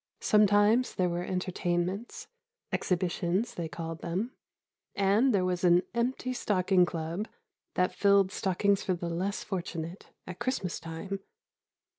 Sometimes there were entertainments, "exhibitions" they called them, and there was an Empty Stocking Club that filled stockings for the less fortunate, at Christmas time.